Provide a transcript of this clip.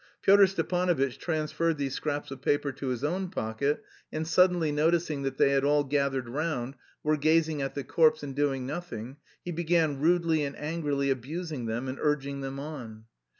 Pyotr Stepanovitch transferred these scraps of paper to his own pocket, and suddenly noticing that they had all gathered round, were gazing at the corpse and doing nothing, he began rudely and angrily abusing them and urging them on.